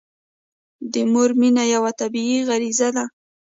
د مور مینه یوه طبیعي غريزه ده.